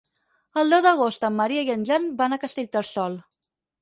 El deu d'agost en Maria i en Jan van a Castellterçol.